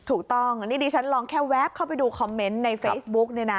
ถูกต้องนี่ดิฉันลองแค่แวบเข้าไปดูคอมเมนต์ในเฟซบุ๊กเนี่ยนะ